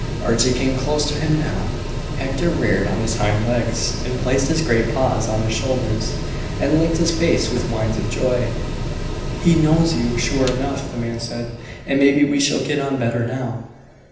Archie came close to him now. Hector reared on his hind legs, and placed his great paws on his shoulders, and licked his face with whines of joy. "He knows you, sure enough," the man said; "and maybe we shall get on better now.